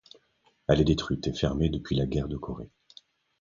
Elle est détruite et fermée depuis la guerre de Corée.